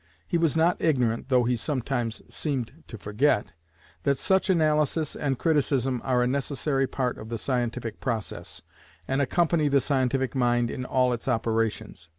He was not ignorant (though he sometimes seemed to forget) that such analysis and criticism are a necessary part of the scientific process, and accompany the scientific mind in all its operations.